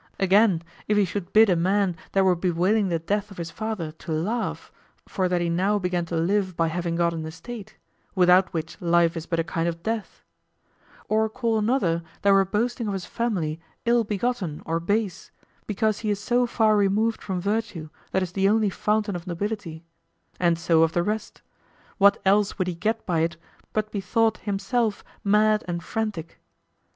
Again if he should bid a man that were bewailing the death of his father to laugh, for that he now began to live by having got an estate, without which life is but a kind of death; or call another that were boasting of his family ill begotten or base, because he is so far removed from virtue that is the only fountain of nobility; and so of the rest: what else would he get by it but be thought himself mad and frantic?